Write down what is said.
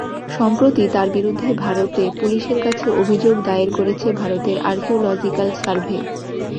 সম্প্রতি তাঁর বিরুদ্ধে ভারতে পুলিশের কাছে অভিযোগ দায়ের করেছে ভারতের আর্কিওলজিকাল সার্ভে।